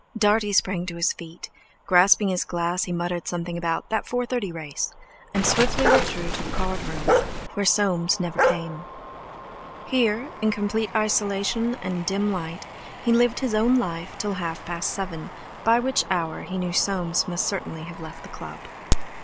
Dartie sprang to his feet; grasping his glass, he muttered something about "that 4.30 race," and swiftly withdrew to the card room, where Soames never came. Here, in complete isolation and a dim light, he lived his own life till half past seven, by which hour he knew Soames must certainly have left the club.